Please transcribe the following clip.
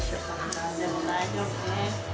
何でも大丈夫です。